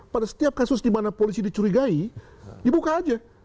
pada setiap kasus di mana polisi dicurigai dibuka aja